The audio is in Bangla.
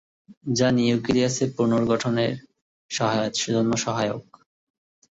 যা নিউক্লিয়াসের পুনর্গঠনের জন্য সহায়ক।